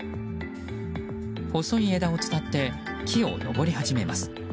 細い枝を伝って木を登り始めます。